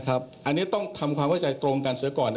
อันนี้ต้องทำความเข้าใจตรงกันเสียก่อน